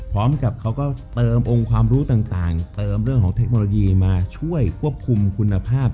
พร้อมกับเขาก็เติมองค์ความรู้ต่างเติมเรื่องของเทคโนโลยีมาช่วยควบคุมคุณภาพ